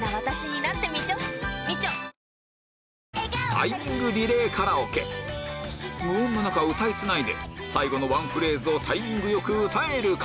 タイミングリレーカラオケ無音の中歌いつないで最後のワンフレーズをタイミングよく歌えるか？